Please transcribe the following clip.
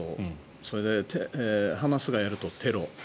それで、ハマスがやるとテロ。